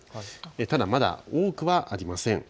ただ、まだ多くはありません。